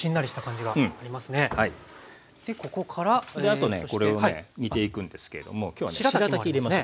あとねこれをね煮ていくんですけれども今日はねしらたき入れます。